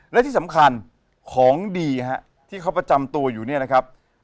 และที่สำคัญของดีฮะที่เขาประจำตัวอยู่เนี่ยนะครับ